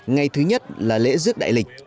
ngày thứ nhất là lễ rước đại lịch